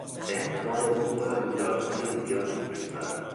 احتمال وقوع رویدادهای زیادی وجود دارد.